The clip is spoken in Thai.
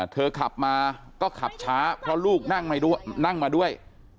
ขับมาก็ขับช้าเพราะลูกนั่งมาด้วย